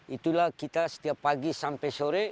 itulah kita setiap pagi sampai sore